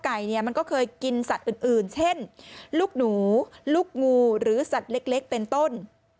เนี่ยมันก็เคยกินสัตว์อื่นเช่นลูกหนูลูกงูหรือสัตว์เล็กเป็นต้น